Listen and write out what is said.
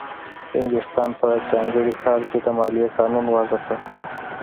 انګلستان په ځانګړي کال کې د مالیې قانون وضع کړ.